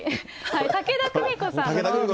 武田久美子さん。